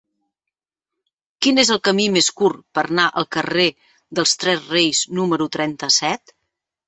Quin és el camí més curt per anar al carrer dels Tres Reis número trenta-set?